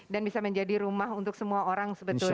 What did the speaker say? dan bisa menjadi rumah untuk semua orang sebetulnya